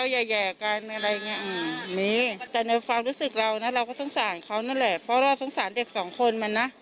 แล้วเขาก็เหมือนผู้ที่เล่นจริงว่ามาขายของมาสร้างเนื้อสร้างตัว